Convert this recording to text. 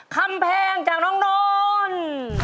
คำแพงจากน้องนนท์